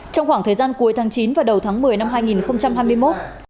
trong khoảng thời gian cuối tháng chín và đầu tháng một mươi năm hai nghìn hai mươi một